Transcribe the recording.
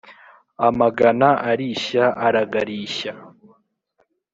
amagana arishya aragarishya.